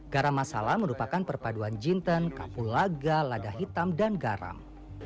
garam masala merupakan perpaduan jinten kapulaga lada hitam dan garam